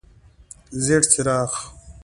ژیړ څراغ: